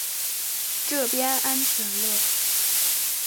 这边安全了